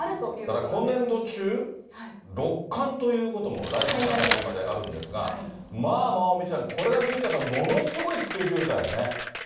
だから今年度中、六冠ということも、来年３月まであるんですが、まあ、まおみちゃん、これだけ見たらものすごいスケジュールだよね。